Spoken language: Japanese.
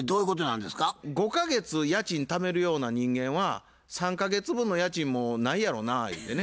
５か月家賃ためるような人間は３か月分の家賃もないやろうなゆうてね。